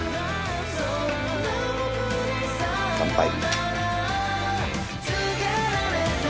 乾杯。